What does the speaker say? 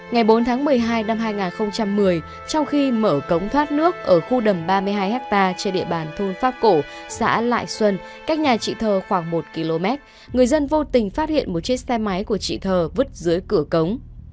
ngày bốn tháng một mươi hai năm hai nghìn một mươi trong khi mở cống thoát nước ở khu đầm ba mươi hai ha trên địa bàn thôn pháp cổ xã lại xuân cách nhà chị thơ khoảng một km người dân vô tình phát hiện một chiếc xe máy của chị thờ vứt dưới cửa cống